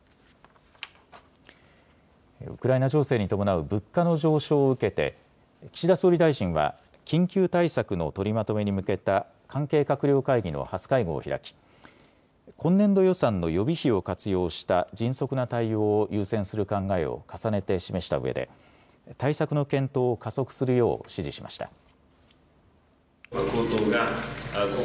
ウクライナ情勢に伴う物価の上昇を受けて岸田総理大臣は緊急対策の取りまとめに向けた関係閣僚会議の初会合を開き今年度予算の予備費を活用した迅速な対応を優先する考えを重ねて示したうえで対策の検討を加速するよう指示しました。